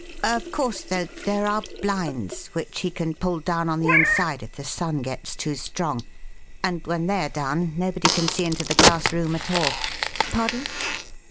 Of course, though, there are blinds, which he can pull down on the inside if the sun gets too strong; and when they are down, nobody can see into the glass room at all. Pardon?